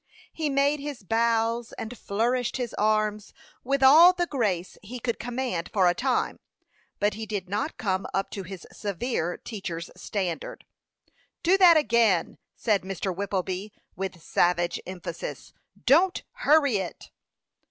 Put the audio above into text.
He made his bows and flourished his arms, with all the grace he could command for a time; but he did not come up to his severe teacher's standard. "Do that again," said Mr. Whippleby, with savage emphasis. "Don't hurry it."